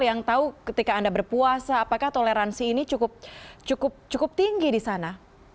yang tahu ketika anda berpuasa apakah toleransi ini cukup tinggi di sana